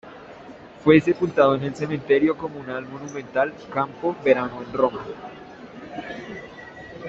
Fue sepultado en el Cementerio comunal monumental Campo Verano en Roma.